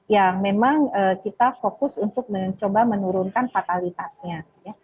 yang memang kita fokus untuk mencoba menurunkan fatalitasnya